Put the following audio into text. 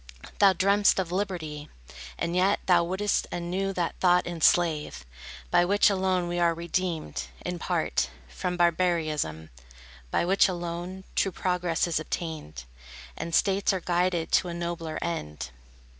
Thou dream'st of liberty, And yet thou wouldst anew that thought enslave, By which alone we are redeemed, in part, From barbarism; by which alone True progress is obtained, And states are guided to a nobler end.